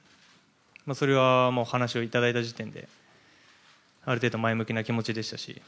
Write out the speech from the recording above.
それは話をいただいた時点である程度前向きな気持ちでしたし